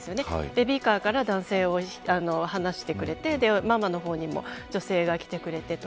ベビーカーから男性を離してくれてママの方にも女性が来てくれてと。